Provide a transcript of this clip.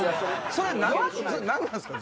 それ何なんすか？